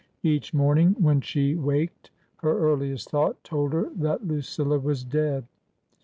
Each morning when she waked her earliest thought told her that Lucilla was dead.